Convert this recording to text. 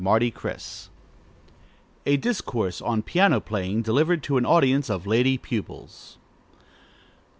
SECRETS. _(A Discourse on Piano Playing, delivered to an Audience of Lady Pupils.)